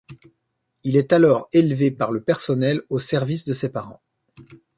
Il est alors élevé par le personnel au service de ses parents.